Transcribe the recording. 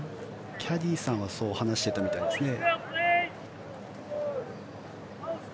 キャディーさんはそう話していたみたいですね。